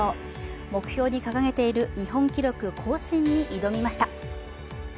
目標に掲げている日本記録更新に挑みました。